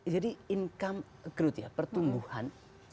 jadi income growth ya pertumbuhan